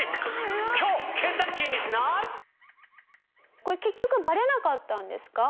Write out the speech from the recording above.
これ結局バレなかったんですか？